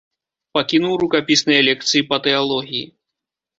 Пакінуў рукапісныя лекцыі па тэалогіі.